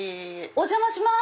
お邪魔します。